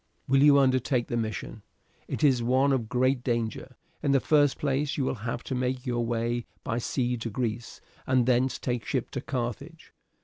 "Will you undertake the mission? It is one of great danger. In the first place you will have to make your way by sea to Greece, and thence take ship for Carthage.